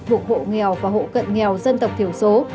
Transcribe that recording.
thuộc hộ nghèo và hộ cận nghèo dân tộc thiểu số